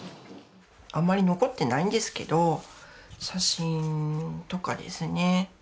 あんまり残ってないんですけど写真とかですね。